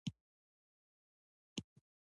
ګل د ژوند شفاف انعکاس دی.